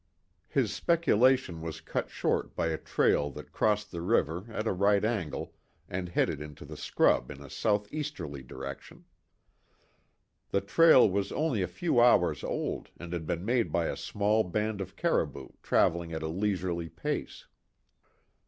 His speculation was cut short by a trail that crossed the river at a right angle and headed into the scrub in a south easterly direction. The trail was only a few hours old and had been made by a small band of caribou traveling at a leisurely pace.